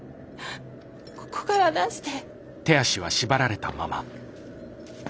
ここから出して。